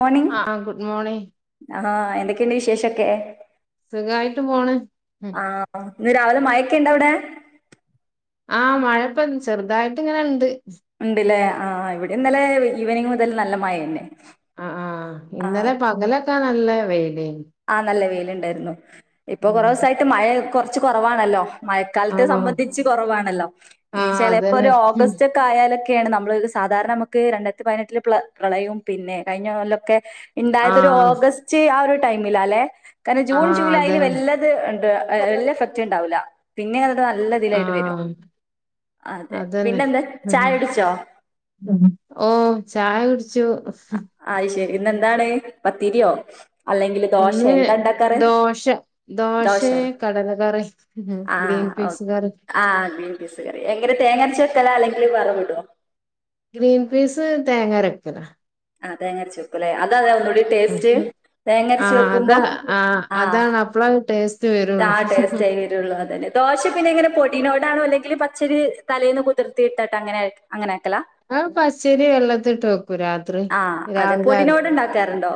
Morning ആ ആ good morning ആണോ എന്തൊക്കെയുണ്ട് വിശേഷവൊക്കെ സുഖവായിട്ട് പോണ് ഉം. ആഹ് ഇന്ന് രാവിലെ മയയൊക്കെയുണ്ടോ അവിടെ ആഹ് മഴയിപ്പം ചെറുതായിട്ട് ഇങ്ങനെ ഉണ്ട് ഉണ്ടല്ലേ ആഹ് ഇവിടെ ഇന്നലെ ഈവനിംഗ് മുതൽ നല്ല മഴ തന്നെ ആഹ് ആഹ് ആ ഇന്നലെ പകലൊക്കെ നല്ല വെയിലേനി ആഹ് നല്ല വെയിലുണ്ടായിരുന്നു ആ ഇപ്പൊ കൊറേ ദിവസായിട്ട് മഴ കൊറച്ച് കൊറവാണല്ലോ മഴക്കാലത്തെ ആ സംബന്ധിച്ച് കൊറവാണല്ലോ ആ ഇനി ചെലപ്പോ അതന്നെ ഒരു ഉം. ഓഗസ്റ്റ് ആയാലൊക്കെയാണ് നമ്മള് സാധാരണ നമുക്ക് രണ്ടായിരത്തി പതിനെട്ടില് പ്ര പ്രളയവും പിന്നെ കഴിഞ്ഞ കൊല്ലവൊക്കെ ആ ഇണ്ടായതൊരു ഓഗസ്റ്റ് ആ ഒരു ടൈമിലാ അല്ലേ കാരണം ആ ജൂൺ ജൂലൈയില് അയില് അതന്നെ വല്ലത് ഇണ്ട് വല്ല എഫക്റ്റ് ഇണ്ടാവില്ല പിന്നെ അങ്ങോട്ട് നല്ല ആ ഇതിലായിട്ട് വരും അതെ പിന്നെന്താ ചായ കുടിച്ചോ ഓഹ് ചായ കുടിച്ചു അത് ശരി ഇന്നെന്താണ് പത്തിരിയോ ദോശയോ ഇന്ന് എന്താ ഉണ്ടാ ദോശ ദോശയും കടല കറി ഗ്രീൻ ആഹ് ഓ പീസ് കറി ആഹ് ഗ്രീൻ പീസ് കറി എങ്ങനെ തേങ്ങ അരച്ച് വക്കലാ അല്ലെങ്കിൽ വറവിടുവോ ഗ്രീൻ പീസ് തേങ്ങ അരക്കലാ ആഹ് തേങ്ങ അരച്ച് വക്കൂല്ലേ അതാ അല്ലേ ഒന്നൂടി ടേസ്റ്റ് തേങ്ങ അരച്ച് ആഹ് അതാ വെക്കുമ്പോ ആഹ് [unintelligible] ആഹ് ടേസ്റ്റ് ആയി അത് തന്നെ ദോശ പിന്നെ ഇങ്ങനെ പൊടിനോടണോ അല്ലെങ്കിൽ പച്ചരി തലേന്ന് കുതിർത്തി ഇട്ടിട്ട് അങ്ങനെ അങ്ങനെ ആക്കലാ ആഹ് പച്ചരി വെള്ളത്തിലിട്ട് വെക്കും രാത്രി രാവിലെ ഉഴുന്ന് വട അരക്കും ഉണ്ടാക്കാറുണ്ടോ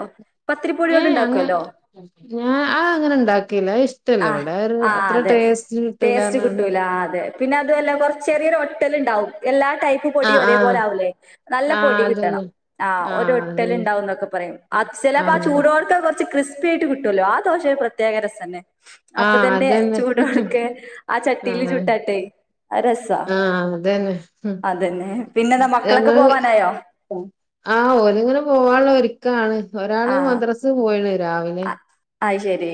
പത്തിരിപ്പൊടിയോട് ഏഹ് അങ്ങ ഇണ്ടാക്കുവല്ലോ ഞാൻ ആ അങ്ങനെ ഇണ്ടാക്കിയില്ല ഇഷ്ടല്ല ഇവിടെ ആ ഒരു അത്ര ടേസ്റ്റ് കിട്ടൂലാന്ന് പറ ആഹ് അതെ പിന്നെ അതുവല്ല കൊറച്ച് ചെറിയൊരു ഒട്ടല് ഇണ്ടാവും എല്ലാ ടൈ ഉപ്പു പൊടി ആഹ് ഒരേ പോല ആവുലെ നല്ല പൊടി ആഹ് കിട്ടണം ആഹ് ഒരു ആഹ് ഒട്ടലിണ്ടാവുന്നൊക്ക പറയും അത് ചെലാപ്പ ആഹ് അതന്നെ ചൂടോട്ക്കന കൊറ്ച്ച് ക്രിസ് പി ആയിട്ട് കിട്ടുവല്ലൊ ആഹ് ദോശ പ്രത്യേക രസന്നെ അപ്പൊ ആഹ് തന്നെ അതന്നെ ചൂടോട്ക്കെ ആഹ് ചട്ടീല് ആഹ് അതന്നെ ആഹ് ചുട്ടാട്ടെ അത് രസാ ആഹ് അതന്നെ അതന്നെ പിന്നെന്ത മക്കളൊക്ക ഞങ്ങള് പോവാനായോ ആഹ് ഓലിങ്ങനെ പോവാള്ള ഒര്ക്കാണ് ഒരാള് ആ മദ്ര സ് പോയി [unintelligible] രാവിലെ അ അത് ശരി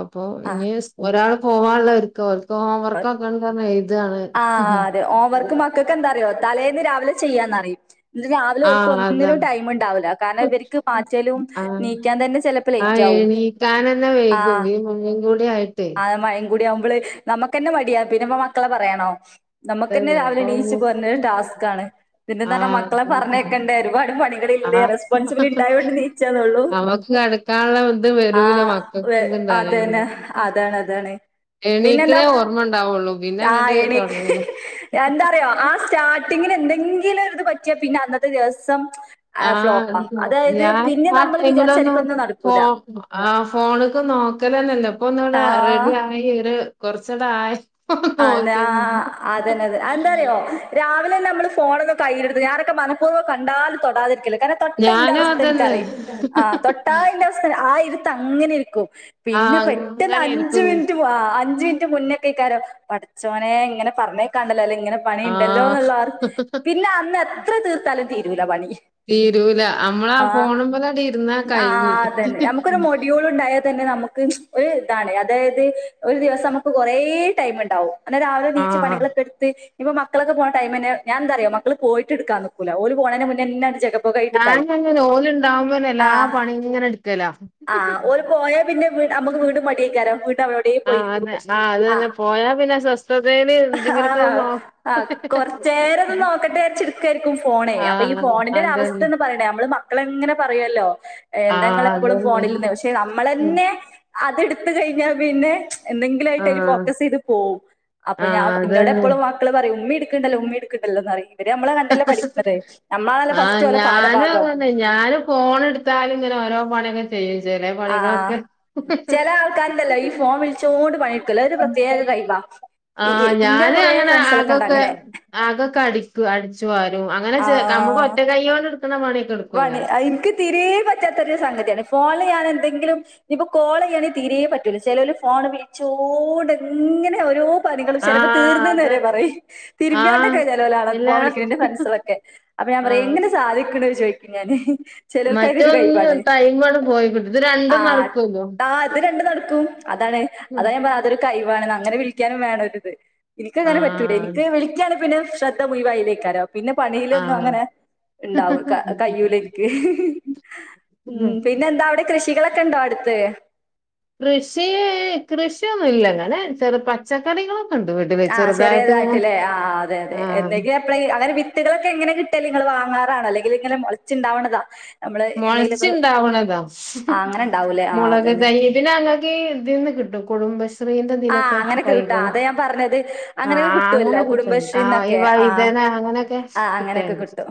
അപ്പൊ ഇനി ആ സ് ഒരാള് പോവാള്ള ഒരു ഓല്ക്ക് ഹോംവർക്കൊക്കണ്ട് പറഞ്ഞ് എഴ്താണ് ആഹ് അതെ ഹോംവർക്ക് മക്കൾക്ക് എന്താ അറിയോ തലേന്ന് രാവിലെ ചെയ്യാന്നറിയ് പിന്ന രാവിലെ ഓര്ക്ക് ആഹ് ഒന്നിനും അതാണ് ടൈമ് ഇണ്ടാവൂല കാര്ണം ഇവര്ക്ക് മാറ്റലും നീക്കാൻ തന്നെ ചെല ആഹ് എണീക്കാനന്നെ വൈകും ഈ [unintelligible] കൂടി ആയിട്ടെ കൂടിയമ്പള് നമ്മക്കന്നെ മടിയാ പിന്നെപ്പ മക്കളെ പറയണോ? നമക്കന്നെ അതന്നെ രാവിലെ അപ്പൊ എണീച്ചു പോരണ ടാസ്കാണ്. പിന്നെന്തറഞ്ഞാ ആഹ് മക്കളെ പറഞ്ഞക്കയണ്ടേ ഒരുപാട് പണികളില്ലേ ആഹ് റെസ്പോൺസിബിലി ഇണ്ടായോണ്ട് നീച്ചന്നൊള്ളു. നമുക്ക് കിടക്കാനുള്ള ഇത് വരൂല ആഹ് മക്കൾക്ക് വെ അതന്നെ അതാണ് അതാണ്. എനിക്ക്ണെ പിന്നെന്താ ഓർമ്മ ഇണ്ടാവൊള്ളു പിന്നെ അങ്ങ്ട്ട് എണീക്ക് തൊടങ്ങ്ണു. എന്തറിയോ ആഹ് സ്റ്റാർട്ടിങ്ങിന് എന്തെങ്കിലും ഒരിത് പറ്റിയാ പിന്നെ അന്നത്തെ ദിവസം. ആഹ് ഫ്ലോപ്പാ അതായത് ഞാൻ പിന്നെ ആഹ് നമ്മള് വിചാരിച്ച ടൈമിലൊന്നു മാതിരിക്കൊന്നും ഫോ നടക്കൂല ആഹ് ഫോണ്ക്ക് നോക്കലന്നെല്ല ഇപ്പൊ ഒന്ന ഇവ്ടെ ആഹ് റെഡിയായി ഒര് കൊറ്ച്ചണ്ടായി. അന്നാ അതന്നെ അതെ അയ് എന്തറിയോ? രാവിലന്നെ നമ്മള് ഫോണൊന്ന് കയ്യിലെട്ത്ത് ഞാനൊക്ക മനപൂർവം കണ്ടാലും തൊടാതിരിക്കല കാര്ണം. തൊട്ട ഇന്റ ഞാനും അവസ്ഥ അതന്നെ ഇൻകറിം. ആഹ് തൊട്ടാ ഇന്റെ അവസ്ഥ ആഹ് ഇര്ത്തം അങ്ങനെ ഇരിക്കും പിന്നെ ആഹ് പെട്ടെന്ന് അങ്ങനെ അഞ്ച് ഇരിക്കും മിനിറ്റ്. അഞ്ചുമിനിറ്റ് മുന്നേക്കെക്കാരം പഠച്ചോനെ ഇങ്ങനെ പറഞ്ഞയക്കാണ്ടലൊ ലെ ഇങ്ങനെ. പണി ആഹ് ഇണ്ടല്ലോന്നുള്ളവർ പിന്നെ അന്ന് എത്ര തീർത്താലും തീരൂല പണി. തീരൂല നമ്മളാ ആഹ് ഫോണുമ്മലട് ഇരുന്നാ കഴിഞ്ഞ് ആഹ് അതന്നെ നമുക്കൊരു മൊഡ്യൂൾ ഇണ്ടായ. തന്നെ നമക്ക് ഒരു ഇതാണ് അതായത് ഒരു ദിവസം നമക്ക് കൊറേ ടൈമ് ഇണ്ടാവും. അന്ന രാവിലെ നീച് ആഹ് പണികളൊക്ക ഇട്ത്ത്. ഇപ്പ മക്കളൊക്കെ പോണ ടൈമെന്നെ ഞാന്തറിയൊ മക്കള് പോയിട്ട് ഇടുക്കാൻ നിക്കൂല ഓല് പോണേനെ മുന്നെന്ന ജക ഞാനോ അങ്ങനെ ഓലുണ്ടാവോമ്പെന്നെ എല്ലാ പണിം ഇങ്ങന ഇട്ക്കല ആഹ് ഓല് പോയാ പിന്നെ നമ്മക്ക് വീണ്ടും മടി എയ്ക്കാരം വീട്ട [unintelligible] ആഹ് അത് ആഹ് അത് തന്നെ പോയാ പിന്നെ സ്വസ്ഥതേല് എന്തെങ്കിലൊക്കെ ആഹ നോ അന കൊറച്ചേരത് നോക്കട്ടെ വിചാര്ച്ച് ഇട്ക്കെര്ക്കും ഫോണ് അപ്പം ഈ ആഹ് ഫോണിന്റെ അതന്നെ ഒരവസ്ഥെന്ന് പറിണെ നമ്മള് മക്കളെ ഇങ്ങനെ പറയല്ലൊ എന്ത ആഹ് ഇങ്ങളെപ്പളും ഫോണിൽന്ന് അതന്നെ പക്ഷെ നമ്മളെന്നെ അത് ഇട്ത്ത് കഴിഞ്ഞാ പിന്നെ എന്തെങ്കിലായിട്ട് അയില് ആഹ് ഫോക്കസീത് പോവും അപ്പം ഞാൻ ആഹ് ഇന്നോട് അതന്നെ എപ്പളും മക്കള് പറയു ഉമ്മി ഇട്ക്ക്ണ്ടല്ലൊ ഉമ്മി ഇട്ക്ക്ണ്ടല്ലൊന്നറിയ് പിന്നെ നമ്മളെ കണ്ടല്ലെ പഠിക്ക്ണത് ഞമ്മളാണല്ലൊ ഫസ്റ്റ് ഓലെ പാഠഭാഗം ഞാന് ഫോണ് ഇട്ത്താലും ഇങ്ങനെ ഓരോ പണിയൊക്കെ ചെയ്യും ചെലേ ആഹ് പളികളൊക്കെ ചെല ആൾക്കാരുണ്ടല്ലോ ഈ ഫോൺ വിളിച്ചോണ്ട് പണി ഇട്ക്കല ഒരു പ്രത്യേക കഴിവ ആഹ് ഞാനു അങ്ങന അകക്കെ അകൊക്ക അടിക്കും അടിച്ചു വാരും അങ്ങനെ ചെ നമുക്ക് ആഹ് ഒറ്റ കയ്യോണ്ട് ഇട്ക്ക്ണ പണി പണി അത് ഇൻക്ക് തീരേ പറ്റാത്തൊരു സംഗതിയാണ് ഫോണ്ല് ഞാന് എന്തെങ്കിലും ഇഞ്ഞിപ്പം കോൾ ചെയ്യാണെങ്കി തീരേ പറ്റൂല ചെലോരല് ഫോണ് വിളിച്ചോണ്ട് ഇങ്ങനെ ഓരോ പണികള് ചെലപ്പം ആഹ് തീർന്ന്ന്ന് വരെ അതന്നെ പറയും തിരുമ്പിയാണ്ട് ആഹ് നിക്ക ചേലോല് ആട എല്ലാ ഫോൺ വിളിക്ക്ണെ എൻ്റെ ഫ്രണ്ട്‌സെളൊക്കെ അപ്പം ഞാൻ പറയും ആഹ് എങ്ങനെ സാധിക്ക്ണ് ചോയ് ക്കും ഞാന് ചെലോൽക്ക് അയിനൊര് മറ്റൊന്ന് കയി‌വാണ് ടൈമട് പോയി കിട്ടും ഇത് രണ്ടും ആഹ് നടക്കുവല്ലോ ആഹ് അത് രണ്ടും നടക്കും അതാണ്. അതാ ഞാൻ പറഞ്ഞത് അതൊരു കൈവാണ് അങ്ങനെ വിളിക്കാനും വേണം ഒരിത് ഇനിക്കങ്ങനെ പറ്റൂല ആഹ് ഇനിക്ക് വിളി ക്കാണെ പിന്നെ ശ്രദ്ധ മുയിവ അയിലേക്കാരം പിന്നെ പണീലൊന്നും ആഹ് അങ്ങനെ ഉണ്ടാവു കാ കയ്യൂല ഇൻക്ക് ഉം പിന്നെ എന്താ അവിടെ കൃഷികളൊക്കെ ഇണ്ടോ അടുത്ത്? കൃഷി കൃഷിയൊന്നു ഇല്ല ഇങ്ങനെ ചെറു പച്ചക്കറികളും ആഹ് ചെറിയതായിട്ട് ലേ ആഹ് അതെ അതെ ആഹ് എന്തെങ്കി അങ്ങനെ വിത്തുകളൊക്കെ എങ്ങനെ കിട്ടല് നിങ്ങള് വാങ്ങാറാണൊ അല്ലെങ്കില് ഇങ്ങനെ മൊളച്ച് ഇണ്ടാവണതാ? മൊളച്ചിണ്ടാവണത ആഹ് അങ്ങനെ ഉണ്ടാവൂലേ ആഹ് മൊളക് അതന്നെ തയ്യ്. പിന്നെ ഞങ്ങക്ക് ഈ ഇതീന്ന് കിട്ടും കുടുംബസ് ശ്രീൻ്റെ ആഹ് ഇതിലൊക്കെ അങ്ങനൊക്കെ കിട്ടും തൈകള് അതാ ഞാൻ പറഞ്ഞത് അങ്ങനെയൊക്കെ ആഹ് അങ്ങനെ കിട്ടുവല്ലോ കിട്ടും ഈ കുടുംബശ്രീന്നൊക്കെ ആഹ് വൈതന അങ്ങനൊ ക്കെ ആഹ് അങ്ങനെയൊക്കെ കിട്ടേണ്ട് കിട്ടും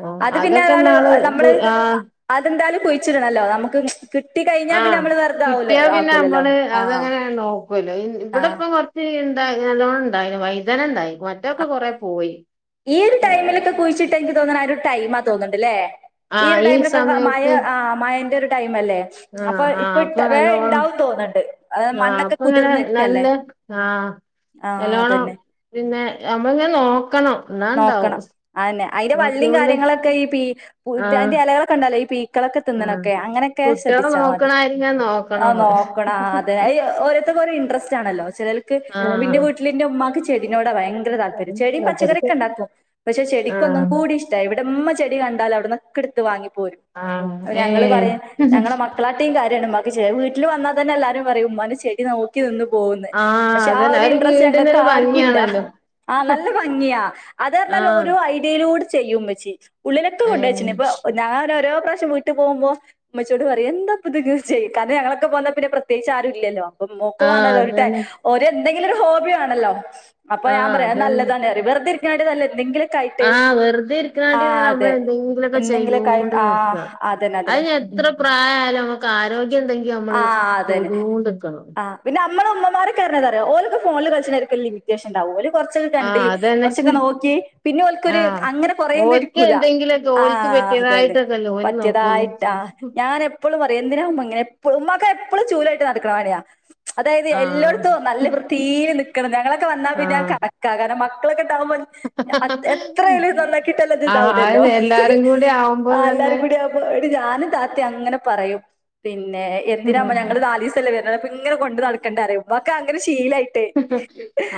ആഹ് അത് പിന്നെ അതൊക്കെ ഒരാള് ഇന്നാള് ഇപ്പം നമ്മള് ആഹ്. അതെന്തായാലും കുഴിച്ചിടണല്ലോ നമുക്ക് കിട്ടി കഴിഞ്ഞാ പിന്നെ ആഹ് നമ്മള് വെറുതാ ആവൂല ആക്കൂല്ലല്ലോ ആഹ്. ഇങ്ങനെ നോക്കു അല്ലോ ഇ ഇവിടെ ആഹ് ഇപ്പം കൊറച്ച് ഇണ്ടാ നല്ലോം ഇണ്ടായിന് വൈതന ഇണ്ടായി മറ്റ് റ്റേക്കെ കൊറെ പോയി ഏഹ് ട്ടെ എനിക്ക് തോന്നണെ ആ ഒരു ടൈം തോന്നണ്ട്ല്ലേ ഈ ആഹ് ഒരു ടൈമിലൊക്കെ മഴ സമയത്ത് ആ മഴന്റെ ഒരു ടൈം അല്ലേ? അപ്പൊ ആഹ് ആഹ് ഇപ്പൊ ഇട്ട അപ്പൊ വേ നല്ലോണം ഇണ്ടാവൂന്ന് തോന്നണ്ട് അ ആഹ് മണ്ണൊക്കെ അപ്പൊ ഇങ്ങനെ കുതിർന്നിട്ടല്ലേ. നല്ല ആഹ് ആഹ് നല്ലോണം അതന്നെ. പിന്നെ നമ്മള് ഇങ്ങനെ നോക്കണം. എന്നാ നോക്കണം ഇണ്ടാവും അന്നെ അയിന്റെ വള്ളീം നോക്കിയോണ്ട് കാര്യങ്ങളൊക്കെ ഈ പീ പു ആഹ് അതിന്റെ ഇലകളൊക്കെ ഇണ്ടല്ലോ ഈ പീ ക്കളൊക്കെ തിന്നണെ ആഹ് ഒക്കെ അങ്ങനെയൊക്കെ കുട്ടികളെ ശ്രദ്ധിച്ചാ മതി നോക്കണാരി ഇങ്ങനെ ആ നോക്കണം നമ്മള് നോക്കണ അതെ അയ് ഓരോരുത്തർക്ക് ഒരൊ ഇൻട്രെസ്റ്റ് ആണല്ലോ ചിലോൽക്ക് ഇപ്പ ആഹ് ഇന്റെ വീട്ടില് ഇന്റെ ഉമ്മാക്ക് ചെടീനോട ഭയങ്കര താല്പര്യ ചെടി പച്ചികറി ഒക്കെ- ഇണ്ടാക്കും പക്ഷെ ചെടിക്കൊന്നും ആഹ് കൂടി ഇഷ്ട ഇവിടമ്മ ചെടി കണ്ടാലും അവിടന്നൊക്കെ എടുത്ത് വാങ്ങി പോരും ആഹ് അപ്പ ഞങ്ങള് ഏഹ് പറിം ഞങ്ങള മക്കള കാട്ടി കാര്യാണ് ഇമ്മാക്ക് ചെടി വീട്ടില് വന്നാ തന്നെ എല്ലാരും പറയും ഉമ്മാന്റ ചെടി നോ ക്കി നിന്ന് പോവുന്ന് ആഹ് പക്ഷെ ആ അതന്നെ ഒരു ഇൻട്രസ്റ്റ് ഞങ്ങക്ക് വീടിനൊരു ആർക്കു ഇല്ല. ഭംഗിയാണല്ലോ ആഹ് നല്ല ഭംഗിയാ. അത് അറഞ്ഞാൽ ആഹ് ഓരോ ഐഡിയിലൂടെ ചെയ്യും ഉമ്മച്ചി ഉള്ളിലോക്കെ കൊണ്ട് ഏഹ് വെച്ചിന് ഇപ്പൊ ഞാൻ ഓരോ പ്രാവശ്യം വീട്ട് പോവുമ്പോ ഇമ്മച്ചിയോട് പറയും എന്താ ഇപ്പൊ ഇത് ചെയ് കാരണം ഞങ്ങളൊക്കെ പോന്നാ പിന്നെ പ്രത്യേകിച്ച് ആരുല്ലല്ലോ. ആഹ് നോക്കുവാേണല്ലോ ഒരുട്ട അതന്നെ ഒ ഒര് എന്തെങ്കിലും ഒരു ഹോബി വേണല്ലോ. അപ്പൊ ഞാൻ ആഹ് പറയും അത് അതന്നെ നല്ലതാന്നെ അറിയും വെറ്തെ ഇരിക്കണാട്ടി നല്ല എന്തെങ്കില് ആഹ് വെറുതെ ഇരിക്കണാട്ടി നമ്മള് എന്തെങ്കിലും ഒക്കെ എന്തെങ്കിലുമൊക്കെ ആയിട്ട് ചെയ്തോണ്ട് ആ നിക്ക. അതന്നെ അതന്നെ അതിന് എത്ര പ്രായായാലും നമ്മുക്ക് ആരോഗ്യം ഇണ്ടെങ്കി നമ്മള് ആഹ് അതന്നെ ചെയ്തോണ്ടിക്കണം. ആഹ് പിന്നെ അമ്മള ഉമ്മമാരൊക്കെ പറഞ്ഞാല് അറിയോ ഓലൊക്കെ ഫോണില് കളിച്ചണെ ഒക്കെ ഒരു ലിമിറ്റേഷൻ ഇണ്ടാകും ഓല് കൊറച്ചൊക്കെ കണ്ട് ആഹ് അതന്നെ കൊറച്ചൊക്കെ നോക്കി പിന്നെ ഓൽക്കൊരു ആഹ് അങ്ങനെ കൊറേയൊന്നും ഓൽക്ക് ഇരിക്കൂല എന്തെങ്കിലൊക്കെ ഓൽക്ക് ആഹ് അതന്നെ. പറ്റിയതായിട്ടൊക്കെല്ലേ ഓല് നോക്കുള്ളൂ പറ്റിയതായിട്ട് ആഹ്. ഞാന് എപ്പോളും പറയും എന്തിന ഉമ്മ ഇങ്ങനെ എപ്പളും ഉമ്മാക്ക്‌ എപ്പോളും ചൂല് ആയിട്ട് നടക്കണ പണിയാ. അതായത് ആഹ് എല്ലോടുത്തും നല്ല വൃത്തീല് നിക്കണം ഞങ്ങളൊക്കെ വന്നാ പിന്നെ ആഹ് കണക്ക കാരണം മക്ക ക്കളൊക്കെ ഇണ്ടാവുമ്പോ എത്ര ആയലും നന്നാക്കി ഇട്ടാലത് ആഹ് ഇതാവില്ലല്ലോ അതന്നെ എല്ലാരും കൂടി ആവുമ്പോ ആഹ് തന്നെ എല്ലാരും കൂടി അ ന്നിട്ട് ഞാനും താത്തി അങ്ങനെ പറയും പിന്നെ എന്തിനാ ഇമ്മ ഞങ്ങള് നാലിസ് ത്തിലന്നെ വെരണത് അപ്പ ഇങ്ങനെ കൊണ്ട് നടക്കണ്ട അറിയും ഉമ്മാക്കങ്ങനെ ശീലായി. ട്ടി,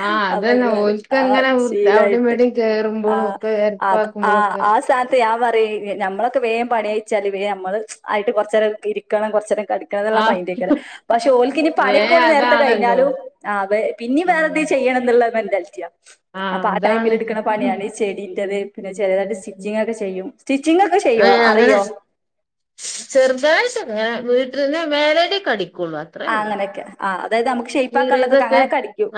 ആഹ് അപ്പം അങ്ങനെ അതന്നെ ഇന്നാല് ഓൽക്ക് ആ അങ്ങനെ അവിടേം ഇതിലായിട്ട് ഇവിടേം കേറുമ്പോഴും ആഹ് ഒക്കെ അതാ ആഹ് ആഹ് എരപ്പാക്കുമ്പോഴൊക്കെ ആ സ്ഥാനത്ത് ഞാൻ പറിം നമ്മളൊക്കെ വേം പണി കയിച്ചാല് വേം നമ്മള് ആയിട്ട് കൊറച്ചേരം ഇരിക്കണം കൊറച്ചേരം കട് ക്കണം എന്നുള്ള ആഹ് മൈന്റെക്കരം പക്ഷെ ഓൽക്ക്നി പണിക്കെ വേം ഓല് നേരത്തെ അതാണല്ലോ കഴിഞ്ഞാലും [unintelligible] പിന്നിം വേറെന്തേം ചെയ്യണം ഇന്ന്ള്ള മെന്റാൽറ്റിയാ അപ്പ ആഹ് ആ ടൈമില് അതാണ് ഇട്ക്ക്ണ പണിയാണ് ചെടിന്റെത് പിന്നെ ചെലെരൊക്കെ സ്റ്റിച്ചിങ്ങൊക്കെ ചെയ്യും സ്റ്റിച്ചിംങ്ങൊക്കെ ചെയ്യോ അറിയോ ചെർതായിട്ടൊക്കെ ഇങ്ങനെ വീട്ടിൽ നിന്ന് മേലടിയൊക്കെ അടിക്കൊള്ളൂ ആഹ് അങ്ങനൊക്കെ ആഹ് അതായിത് നമ്മക്ക് ഷെയ്പാക്കാള്ളതൊക്കെ കീറിയതൊക്കെ അങ്ങനൊക്കെ അടിക്കും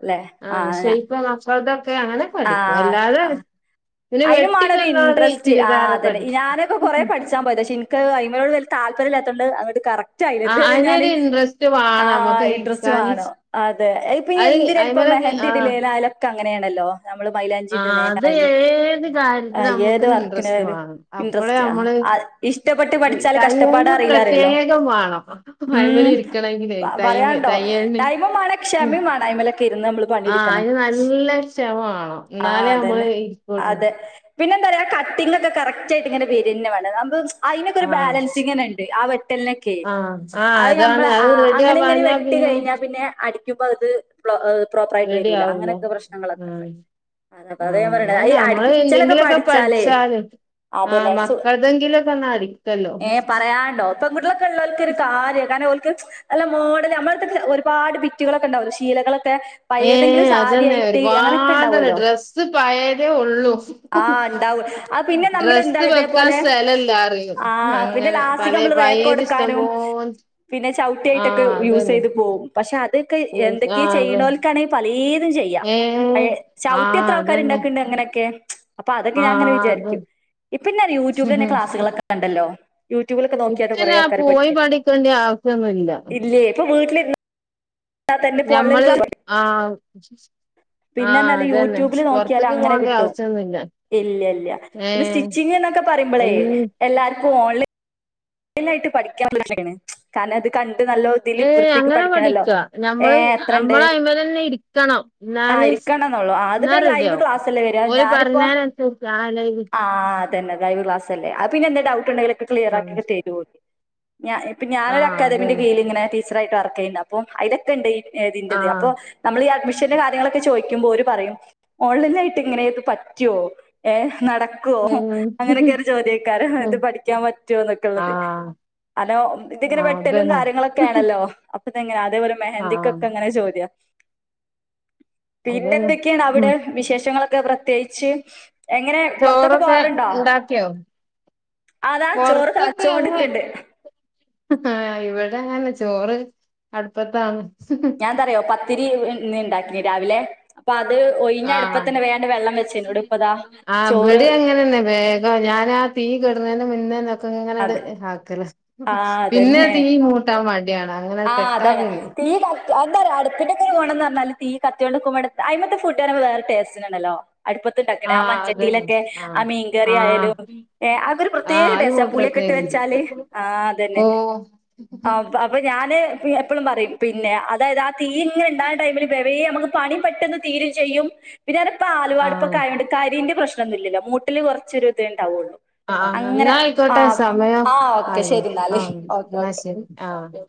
അല്ലെ ആഹ് ഞാ ഇപ്പം മക്കൾതൊക്കെ അങ്ങനെ അടിക്കും അല്ലാതെ അടി അയിനും മാണൊരു ഇൻട്രസ്റ്റ് ആഹ് ചുരിദാറൊക്കെ അതന്നെ അടിക്കും ഞാനൊക്കെ കൊറെ പഠിച്ച് ച്ചാൻ പോയാത ഇൻക്ക് അയിമലോട് വല്യ താല്പര്യല്ലാത്തോണ്ട് അങ്ങട്ട് കറക് റ്റായില ആ ഇത് വരെ ഞാന് അതിനൊരു ഇൻട്രസ്റ്റ് വേണം ആഹ് നമ്മക്ക് ഇൻട്രസ്റ്റ് ഇരിക്കാന് വാണം അതെ അത് ഇപ്പം എന്തിനെലും ഇപ്പം അയ്മലൊക്കെ മെഹന്തി ആ ഇടില്ലേലായാലും ഒക്കെ അങ്ങനെണല്ലോ നമ്മള് മൈലാഞ്ചി ആ അത് ഇട്ണേനായാലും ഏത് കാര്യത്തിലും ആഹ് ഏത് നമ്മുക്കൊരു ഇൻട്രസ്റ്റ് വർക്കിനായാലും വേണം അപ്പളേ ഇൻട്രെസ്റ്റ് ആഹ് നമ്മള് അത് ഇഷ്ടപ്പെട്ട് ഈ പഠിച്ചാലും കഷ്ടപ്പാട് തയ്യലിന് അറീല്ല പറീലല്ലോ പ്രത്യേകം വേണം ഹ്മ്മ് അയ്മല് ഇരിക്കണെങ്കിലേ [unintelligible] തയ്യ പറയാണ്ടോ തയ്യലിന് ടൈമുംമാണം ക്ഷമിം മാണം അയിമലൊക്കെ ഇരുന്ന് നമ്മള് ആഹ് അയിന് നല്ല ക്ഷമ മാണം ആഹ് ഇന്നാലേ നമ്മള് അതന്നെ. ഈ അതെ, പിന്നെ എന്താന്നറിയാ ആ കട്ടിംഗൊക്കെ കറക്റ്റായിട്ട് ഇങ്ങനെ വെരെന്നെ വേണം [unintelligible] അയിനൊക്കൊ ഒരു ആഹ് ബാലൻസിംങ്ങനെ ഇണ്ട് ആ വെട്ടൽനൊക്കെ ആഹ് ആഹ് അത് അതാണ് നമ്മളെ അത് ആഹ് റെഡി അങ്ങനിം ഇങ്ങനിം ആവാഞ്ഞാ വെട്ടി പിന്നെ കഴിഞ്ഞാ പിന്നെ അടി ക്കുമ്പോ അത് പ്ലോ ഏഹ് പ്രോപ്പറായിട്ട് റെഡി വരൂല ആവൂല അങ്ങനെക്കെ ഉം പ്രശ്നങ്ങളൊക്കെണ്ട് അപ്പം അതാ ഞാൻ ആഹ് പറിണേ അത് അതന്നെ ഈ നമ്മള് അട്ച്ചലൊക്കെ എന്തെങ്കിലുമൊക്കെ പഠിച്ചാലേ പഠിച്ചാല് ആഹ് അതെന്നെ സു, മക്കളതെങ്കിലൊക്കെ ഒന്ന് അടിക്കല്ലോ ഏഹ് പറയാണ്ടോ പെൺകുട്ടികളൊക്കെ ഇല്ലോൽക്കൊര് കാ കാര്യ കാരണം ഓൽക്കത് നല്ല മോഡല് നമ്മളെട്ത്തക്കെ ഒരുപാട് ബിറ്റുകളൊക്കെ ഇണ്ടാവല്ലോ ശീലകളൊക്കെ പഴേതെങ്കിലും ഏഹ് സാരി അതന്നെ ആയിട്ട് അങ്ങനൊക്കെ ഒരുപാട് ഉണ്ടാവല്ലോ. ഡ്രസ്സ് പയേതേ ഒള്ളു ആഹ് ഇണ്ടാവും അത് പിന്നെ നമ്മള് ഡ്രസ്സ്‌ എന്താണ് വെക്കാൻ ഇതേപോലെ സ്ഥലല്ലാറിയും ആഹ് പിന്നെ അങ്ങനെ ലാസ്റ്റ്ക്ക് പലെ നമ്മള് പഴേത് റേക്കൊടുക്കാനും ഇഷ്ടംപോലെ പിന്നെ ചൗട്ടി ആയിട്ടൊക്കെ ആഹ് അതന്നെ യൂസെയ്ത് പോവും പക്ഷെ അതൊക്കെ എന്തൊക്കേ ആഹ് അതന്നെ ചെയ്യ്ണോൽക്കാണെ പലേതും ചെയ്യും യ, ഏ പഴെ ചൗട്ടി ആഹ് എത്ര ആൾക്കാര് ഇണ്ടാ അതന്നെ ക്കും അങ്ങനൊക്കെ അപ്പം അതൊക്കെ ഞാൻ ഇങ്ങനെ ആഹ് അത് വിചാരിക്കും ഇപ്പെന്നറിയോ യൂട്യൂബിലെന്നെ ക്ലാസ്സുകളൊക്ക ക്കണ്ടല്ലോ യൂട്യൂബിലൊക്കെ നോക്കിയാട്ട് കൊറേ ഇപ്പന്നെ ആൾക്കാര് പോയി പഠിക്ക്ണ്ട്, പഠിക്കേണ്ട ആവശ്യൊന്നുല്ല ഇല്ലേ ഇപ്പം വീട്ട്ല്ര്ന്ന് ഞമ്മള് ആഹ് ആഹ് പിന്നെന്നാല് അതന്നെ യൂട്യൂബില് പൊർത്ത്ക്ക് പോവണ്ടിയെ ആവശ്യന്നുല്ല ഇല്ലല്ല, പിന്നെ സ്റ്റിച്ചിങ്ങ്ന്നൊക്കെ പറിമ്പളേ എല്ല എല്ലാർക്കും ഓൺല് ലൈനായിട്ട് പഠിക്കാൻ [unintelligible] കാരണം ഇത് കണ്ട് നല്ലോ ഏഹ് അങ്ങനെ പഠിക്ക നമ്മള് എത്രണ്ട് നമ്മളയ്മലെന്നെ ഇരിക്കണം ഇന്നാല് ഇരിക്കണംന്നൊള്ളൂ ആഹ് അത് പിന്നെ ലൈവ് ക്ലാസെല്ലേ വെരാ ഓര് ഞാനിപ്പോ പറഞ്ഞേനനുസരിച്ച് ആ ലൈവ് ആഹ് തന്നെ ലൈവ് ക്ലാസല്ലേ അത് പിന്നെന്തേ ഡൗട്ട് ഇണ്ടെങ്കിലൊക്കെ ക്ലിയറാക്കി ആഹ് തരോല് ഞാൻ ഇപ്പ ഞാനൊര് അക്കാദമിന്റെ കീഴിലിങ്ങനെ ടീച്ചറായ്ട്ട് വർക്കെയ്യ്ണ്ട് അ പ്പം അയിലൊക്കെണ്ട് ഈ ഏഹ് ഇതിന്റെത് ആഹ് അപ്പം നമ്മളീ അഡ്മിഷന്റെ കാര്യങ്ങളൊക്കെ ചോയിക്കുമ്പൊ ഓര് പറയും ഓൺലൈനായിട്ട് ഇങ്ങനെ ഇത് പറ്റോ ഏഹ് നട ക്കോ അതന്നെ അങ്ങനെക്കൊരു ചോദ്യെക്കാരം ഇത് ആഹ് പഠിക്കാൻ പറ്റോ ആഹ് ഇന്നൊക്കെള്ളത് അലോ ഇതിങ്ങനെ ആഹ് വെട്ടലും അതന്നെ കാര്യങ്ങളൊക്കെ ആണല്ലോ അപ്പൊതെങ്ങനാ അതേപോലെ ആഹ് മെഹന്തിക്കൊക്കെങ്ങനെ ചോദ്യാ അതന്നെ പിന്നെന്തൊക്കേണവിടെ വിശേഷങ്ങളൊക്കെ പ്രത്യേകിച്ച്? എങ്ങനേ പൊറത്തൊക്കെ ചോറൊക്കെ പോവാറുണ്ടോ? ഉണ്ടാക്കിയോ അതാ ചോറ് തള ച്ചോണ്ട്ക്ക്ണ്ട് ആഹ് ഇവിടെങ്ങനെ ചോറ് അട്പ്പത്താണ് ഞാന്തറിയാ പത്തിരി ഇ ന്ന്ണ്ടാക്കി രാവിലെ അപ്പൊ അത് ഒഴിഞ്ഞ ആഹ് അടുപ്പത്തന്നെ വേണ്ട് വെള്ളം വെച്ചേനു ഇവടെ ഇപ്പതാ ആ ചോറ് ബടി അങ്ങനെന്നെ വേ ഞാനാ തീ കെട്ണേൻ്റെ മുന്നെന്നൊക്കെങ്ങനട് അത് ആക്കല ആ പിന്നെ തീ മൂട്ടാൻ മടിയാണ് അങ്ങ ആഹ് അതെ തീ ക അഹ്ന്താറ്യോ അടുപ്പിൻ്റത്രേ ഗുണംന്നറഞ്ഞാല് തീ കത്തിയോണ്ട്ക്ക്മ്പോ അയ്മത്തെ ഫുഡറിമ്പൊ വേറെ ടേസ്റ്റെനാണല്ലോ അടുപ്പത്ത്ണ്ടാക്ക്ണേ ആ ആഹ് അതന്നെ മഞ്ചട്ടീലൊക്കെ ആ ആഹ് മീൻകറി ആഹ് ആയാലും ഏഹ് അതൊരു പ്ര ആഹ് ത്യേക അത് ടേസ്റ്റാ പുളിയൊക്കെട്ട് മൂത്രത്തിന് വെച്ചാല് ആഹ് അതന്നെ ഓ ആപ് അപ് പ്പ ഞാന് എപ്പളും പറയും പിന്നെ അതായത് ആ തീ യിങ്ങനെണ്ടായ ടൈമില് വെവേ നമുക്ക് പണി പെട്ടെന്ന് തീര് ചെയ്യും പിന്നെർഞ പ ആഹ് ആലുവാട്പ്പൊക്കാ യാണ്ട് കരീന്റെ പ്രശ്നൊന്നുല്ലല്ലോ മൂട്ടില് കൊറച്ചൊരു തേണ്ടാവൊള്ളു ആഹ് ന്നായിക്കോട്ടെ സമയം ഓക്കെ ആയിന്നു ശരി എന്നാല് ആഹ് ഓക്കെ ന്നാ ഓക്കെ. ശരി ആഹ്